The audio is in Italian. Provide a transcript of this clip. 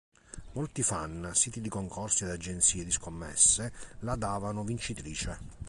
Molti fan, siti di concorsi ed agenzie di scommesse la davano vincitrice.